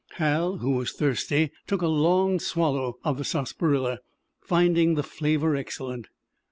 Hal, who was thirsty, took a long swallow of the sarsaparilla, finding the flavor excellent.